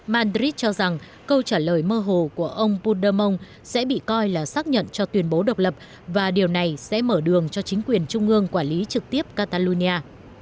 madrid cho rằng câu trả lời mơ hồ của ông puder mon sẽ bị coi là xác nhận cho tuyên bố độc lập và điều này sẽ mở đường cho chính quyền trung ương quản lý trực tiếp catalonia